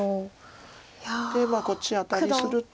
でこっちアタリすると。